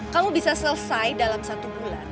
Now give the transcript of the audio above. kamu bisa selesai dalam satu bulan